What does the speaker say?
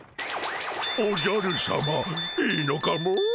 おじゃるさまいいのかモ？